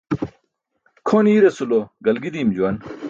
Kʰon iirasulo galgi diim juwan.